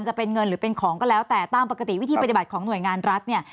จะเป็นเงินหรือเป็นของก็แล้วแต่ตามปกติวิธีปฏิบัติของหน่วยงานรัฐเนี่ย